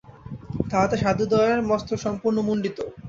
তাহাতে সাধুদ্বয়ের মস্তক সম্পূর্ণ মুণ্ডিত।